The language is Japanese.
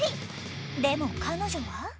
でも彼女は。